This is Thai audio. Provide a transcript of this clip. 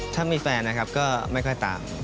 ถ้ามีแฟนนะครับก็ไม่ค่อยตาม